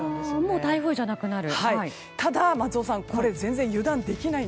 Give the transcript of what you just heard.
もう台風じゃなくなる。